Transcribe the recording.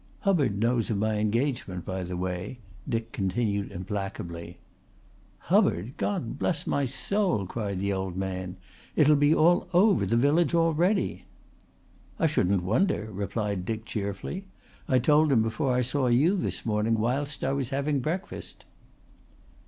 "Hubbard knows of my engagement, by the way," Dick continued implacably. "Hubbard! God bless my soul!" cried the old man. "It'll be all over the village already." "I shouldn't wonder," replied Dick cheerfully. "I told him before I saw you this morning, whilst I was having breakfast."